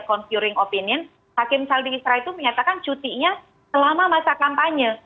confuring opinion hakim saldi isra itu menyatakan cutinya selama masa kampanye